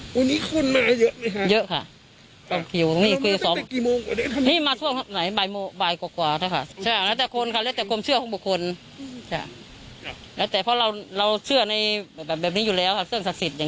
วันนี้คนมาเยอะมั้ยคะเยอะค่ะต้องเห็นมาตั้งแต่กี่โมง